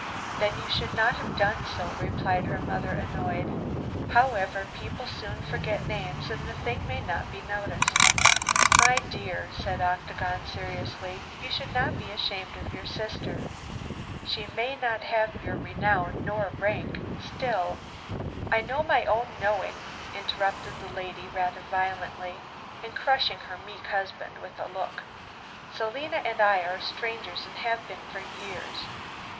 "Then you should not have done so," replied her mother, annoyed. "However, people soon forget names, and the thing may not be noticed." "My dear," said Octagon, seriously, "you should not be ashamed of your sister. She may not have your renown nor rank, still " "I know my own knowing," interrupted the lady rather violently, and crushing her meek husband with a look. "Selina and I are strangers, and have been for years.